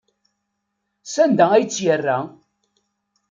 Sanda ay tt-yerra?